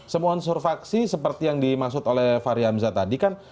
semua unsur faksi seperti yang dimaksud oleh fahri hamzah tadi kan